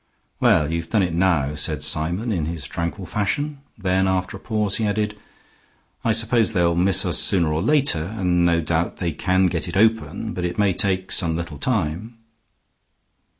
"Well, you've done it now," said Symon, in his tranquil fashion. Then after a pause he added, "I suppose they'll miss us sooner or later, and no doubt they can get it open; but it may take some little time."